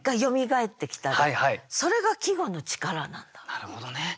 なるほどね。